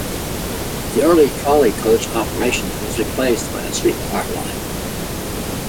This early trolley coach operation was replaced by a streetcar line.